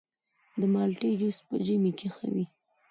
د مالټې جوس په ژمي کې ښه وي.